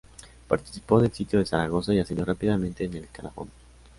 Participó del sitio de Zaragoza y ascendió rápidamente en el escalafón.